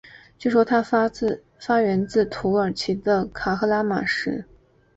据说它发源自土耳其的卡赫拉曼马拉什。